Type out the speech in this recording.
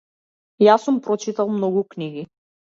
Јас сум прочитал многу книги.